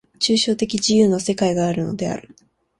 抽象的自由の世界があるのである。